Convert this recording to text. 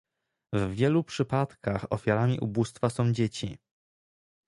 W wielu przypadkach ofiarami ubóstwa są dzieci